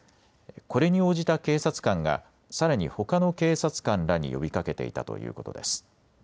これに応じた警察官がさらにほかの警察官らに呼びかけていたということです。